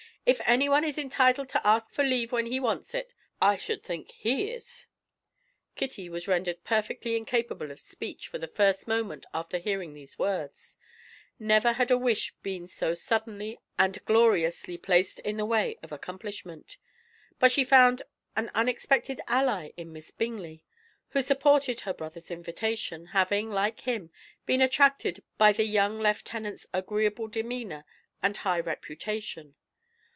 If anyone is entitled to ask for leave when he wants it, I should think he is." Kitty was rendered perfectly incapable of speech for the first moment after hearing these words; never had a wish been so suddenly and gloriously placed in the way of accomplishment; but she found an unexpected ally in Miss Bingley, who supported her brother's invitation, having, like him, been attracted by the young lieutenant's agreeable demeanour and high reputation.